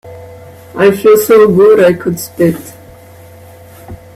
I feel so good I could spit.